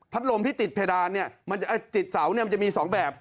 ลมที่ติดเพดานเนี่ยจิตเสาเนี่ยมันจะมี๒แบบ